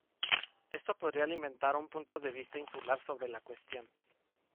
Esto podría alimentar un punto de vista insular sobre la cuestión.